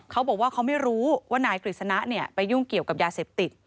เขาบอกว่าเขาไม่รู้ว่านายกฤษณะไปยุ่งเกี่ยวกับยาเสพติด